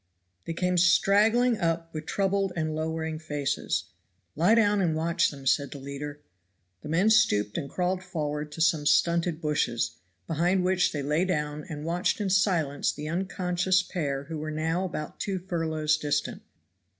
They came straggling up with troubled and lowering faces. "Lie down and watch them," said the leader. The men stooped and crawled forward to some stunted bushes, behind which they lay down and watched in silence the unconscious pair who were now about two furlongs distant.